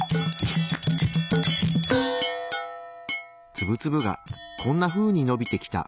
ツブツブがこんなふうにのびてきた。